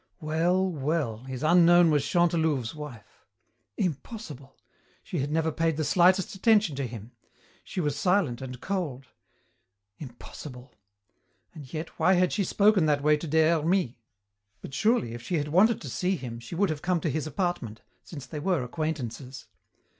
Well, well, his unknown was Chantelouve's wife. Impossible! She had never paid the slightest attention to him. She was silent and cold. Impossible! And yet, why had she spoken that way to Des Hermies? But surely if she had wanted to see him she would have come to his apartment, since they were acquaintances.